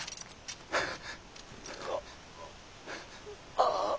ああ！